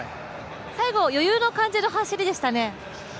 最後余裕の感じの走りでしたね？